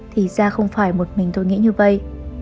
thì ra không phải một mình tôi nghĩ như vậy